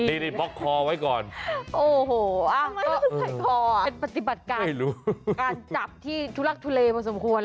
เออนี่บอกคอไว้ก่อนโอ้โหอะเป็นปฏิบัติการการจับที่ทุลักทุเลมาสมควร